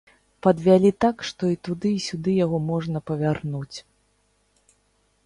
Падвялі так, што і туды, і сюды яго можна павярнуць.